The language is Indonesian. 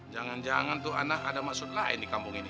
jangan jangan tuh anak ada maksud lain di kampung ini